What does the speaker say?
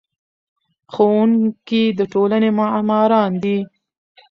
ښوونکي د ټولنې معماران دي.